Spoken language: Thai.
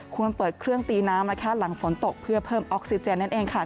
ควรเปิดเครื่องตีน้ำนะคะหลังฝนตกเพื่อเพิ่มออกซิเจนนั่นเองค่ะ